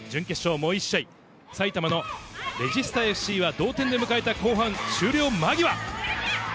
もう１試合、埼玉のレジスタＦＣは同点で迎えた後半終了間際。